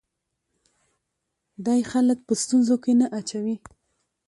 دی خلک په ستونزو کې نه اچوي.